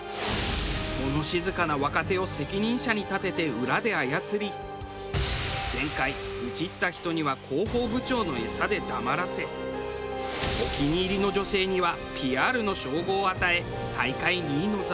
物静かな若手を責任者に立てて裏で操り前回愚痴った人には広報部長の餌で黙らせお気に入りの女性にはピヤールの称号を与え大会２位の座を。